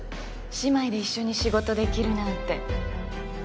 姉妹で一緒に仕事できるなんて。